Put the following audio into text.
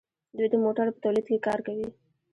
دوی د موټرو په تولید کې کار کوي.